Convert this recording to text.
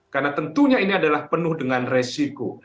karena tentunya ini adalah penuh dengan resiko